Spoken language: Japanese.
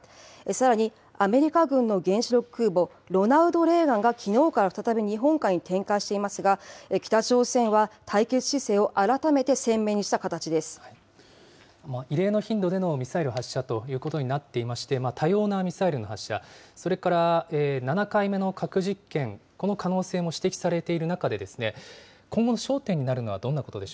さらに、アメリカ軍の原子力空母ロナルド・レーガンがきのうから再び日本海に展開していますが、北朝鮮は対決姿勢を改めて鮮明にした形で異例の頻度でのミサイル発射ということになっていまして、多様なミサイルの発射、それから７回目の核実験、この可能性も指摘されている中で、今後の焦点にな